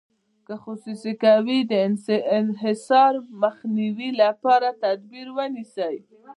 که خصوصي کوي د انحصار مخنیوي لپاره تدابیر ونیسي.